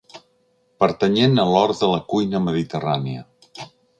Pertanyent a l'or de la cuina mediterrània.